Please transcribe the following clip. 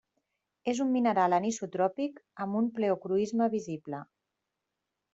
És un mineral anisotròpic amb un pleocroisme visible.